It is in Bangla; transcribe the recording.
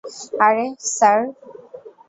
আরে, স্যার।